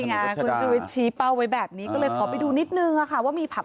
ไงคุณชุวิตชี้เป้าไว้แบบนี้ก็เลยขอไปดูนิดนึงค่ะว่ามีผับ